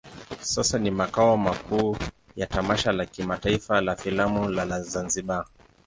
Sasa ni makao makuu ya tamasha la kimataifa la filamu la Zanzibar.